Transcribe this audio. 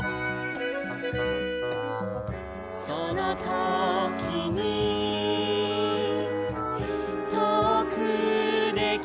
「そのときにとおくできこえた」